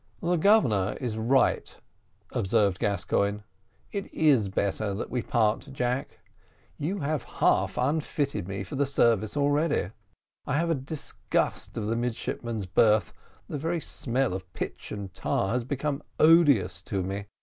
"The Governor is right," observed Gascoigne; "it is better that we part, Jack. You have half unfitted me for the service already; I have a disgust of the midshipmen's berth; the very smell of pitch and tar has become odious to me.